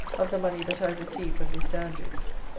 of the money that I have received of Mr. Andrews.